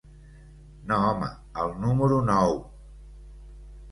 No home, el número nou.